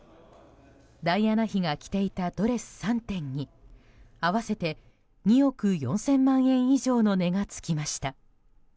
ダイアナ妃が着ていたドレス３点に合わせて２億４０００万円以上の値が付きました。